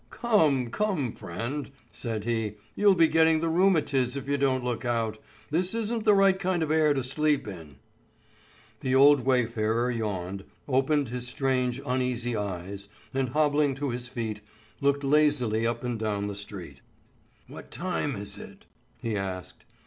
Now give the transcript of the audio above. "Come, come, friend," said he; "you'll be getting the rheumatiz if you don't look out. This isn't the right kind of air to sleep in." The old wayfarer yawned, opened his strange, uneasy eyes, and hobbling to his feet looked lazily up and down the street. "What time is it?" he asked.